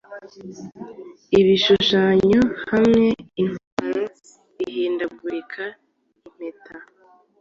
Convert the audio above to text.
Ibishushanyo hamwe Intwaro ihindagurika impeta